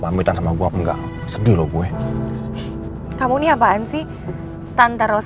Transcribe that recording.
kamu tenang dulu kamu tenang dulu